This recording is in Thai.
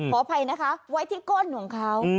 ขออภัยนะคะไว้ที่ก้นของเขา